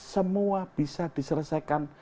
semua bisa diselesaikan